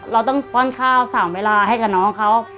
เราต้องป้อนข้าว๓เวลาให้กับน้องเขา